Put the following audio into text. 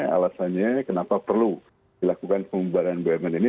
alasannya kenapa perlu dilakukan pembubaran bumn ini